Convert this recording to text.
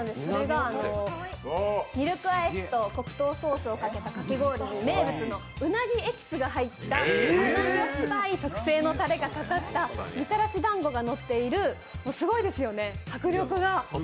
ミルクアイスと黒糖ソースをかけたかき氷に名物のうなぎエキスの入った甘塩っぱい特製たれをかけたみたらし団子がのっているすごいですよね、迫力が。